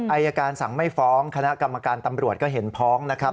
อายการสั่งไม่ฟ้องคณะกรรมการตำรวจก็เห็นพ้องนะครับ